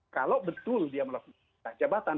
kalau betul dia melakukan jabatan